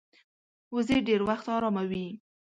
وزې ډېر وخت آرامه وي